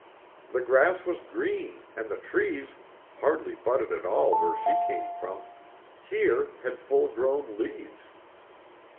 The grass was green and the trees, hardly budded at all where she came from, here had full grown leaves.